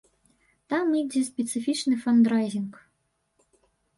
Там ідзе спецыфічны фандрайзінг.